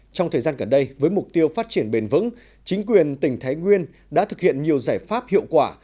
trong thời gian gần đây với mục tiêu phát triển bền vững chính quyền tỉnh thái nguyên đã thực hiện nhiều giải pháp hiệu quả